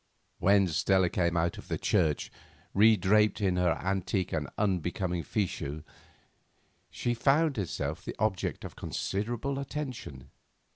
When Stella came out of church, redraped in the antique and unbecoming fichu, she found herself the object of considerable attention.